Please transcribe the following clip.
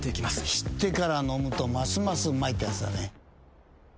知ってから飲むとますますうまいってやつだね。